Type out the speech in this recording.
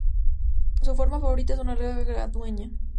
Su arma favorita es una larga guadaña.